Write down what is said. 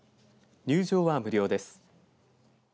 入場は無料です。